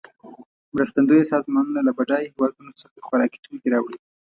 مرستندویه سازمانونه له بډایه هېوادونو څخه خوارکي توکې راوړي.